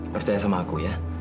percaya sama aku ya